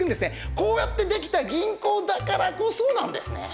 こうやってできた銀行だからこそなんですね。